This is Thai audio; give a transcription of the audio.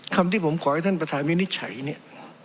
ที่ผมขอให้ท่านประธานวินิจฉัยเนี่ย